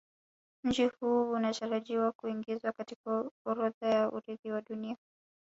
Mji huu unatarajiwa kuingizwa katika orodha ya Urithi wa Dunia